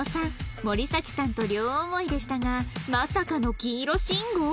森咲さんと両思いでしたがまさかの黄色信号？